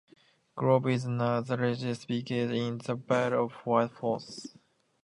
Grove is now the largest village in the Vale of White Horse.